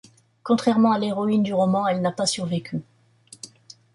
Contrairement à l'héroïne du roman, elle n'a pas survécu.